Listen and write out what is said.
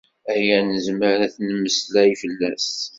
Aya nezmer ad nemmeslay fell-as.